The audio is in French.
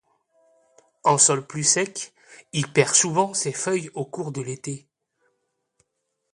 En sol plus sec il perd souvent ses feuilles au cours de l’été.